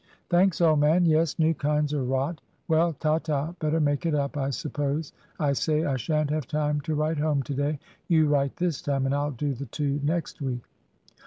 "Thanks, old man. Yes, new kinds are rot. Well, ta, ta better make it up, I suppose. I say, I shan't have time to write home to day. You write this time, and I'll do the two next week."